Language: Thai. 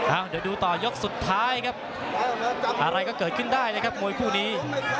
เดี๋ยวดูต่อยกสุดท้ายครับอะไรก็เกิดขึ้นได้นะครับมวยคู่นี้